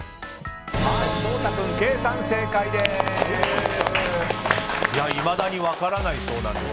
颯太君、ケイさん、正解です。